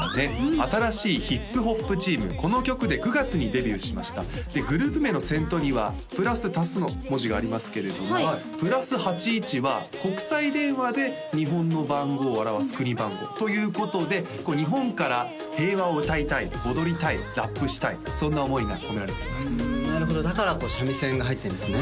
新しいヒップホップチームこの曲で９月にデビューしましたでグループ名の先頭には「＋」の文字がありますけれども＋８１は国際電話で日本の番号を表す国番号ということで日本から平和を歌いたい踊りたいラップしたいそんな思いが込められていますなるほどだから三味線が入ってるんですね